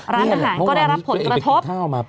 ร้านอาหารก็ได้รับผลกระทบ